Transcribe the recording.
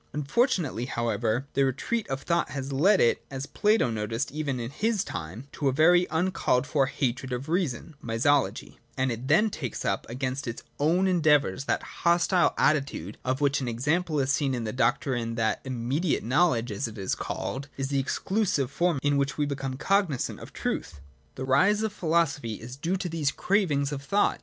Unfor tunately, however, the retreat of thought has led it, as Plato noticed even in his time, to a very uncalled for hatred of reason (misology) ; and it then takes up against its own endeavours that hostile attitude of which an example is seen in the doctrine that ' immediate ' knowledge, as it is called, is the exclusive form in which we become cognisant of truth. 12.] The rise of philosophy is due to these cravings of thought.